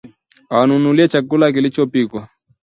Awanunulie chakula kilichopikwa